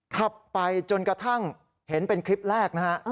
ขับไปจนกระทั่งเห็นเป็นคลิปแรกนะฮะ